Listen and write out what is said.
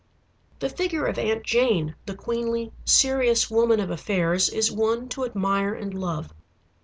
The figure of Aunt Jane, the queenly serious woman of affairs, is one to admire and love.